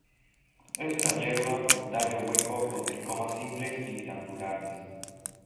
Es una hierba, con tallo hueco con tricomas simples y glandulares.